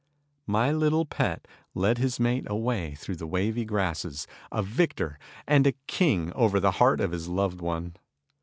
My little pet led his mate away through the wavy grasses, a victor and a king over the heart of his loved one.